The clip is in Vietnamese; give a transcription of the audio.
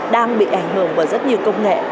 đang bị ảnh hưởng bởi rất nhiều công nghệ